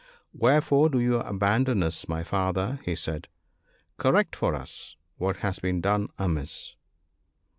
"Wherefore do you abandon us, my father?" he said. " Correct for us what has been done amiss."